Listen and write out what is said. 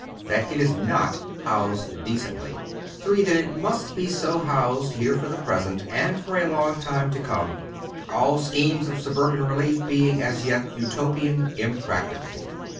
That it is not housed decently. III. That it must be so housed here for the present, and for a long time to come, alt schemes of suburban relief being as yet Utopian, impracticable.